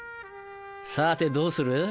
さてどうする？